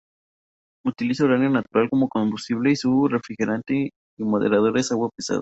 Utiliza uranio natural como combustible y su refrigerante y moderador es agua pesada.